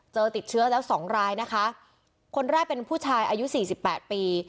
เจอติดเชื้อแล้ว๒รายนะคะคนแรกเป็นผู้ชายอายุ๔๘ปี